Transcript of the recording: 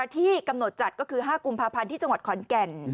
ที่กำหนดจัดก็คือ๕กุมภาพันธ์ที่จังหวัดขอนแก่น